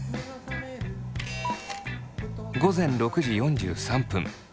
午前６時４３分。